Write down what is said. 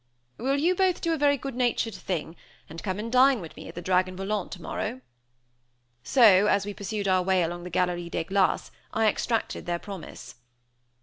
"Will you both do a very good natured thing, and come and dine with me at the Dragon Volant tomorrow?" So, as we pursued our way along the Galerie des Glaces, I extracted their promise.